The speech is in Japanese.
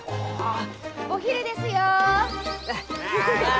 お昼ですよ！